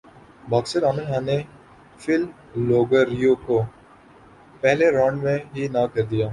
boxer Amir Khan نے Phil Lo Greco کو پہلےرانڈ میں ہی ناک کر دیا